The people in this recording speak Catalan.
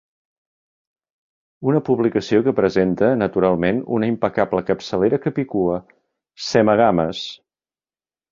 Una publicació que presenta, naturalment, una impecable capçalera capicua: "Semagames".